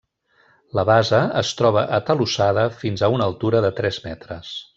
La base es troba atalussada fins a una altura de tres metres.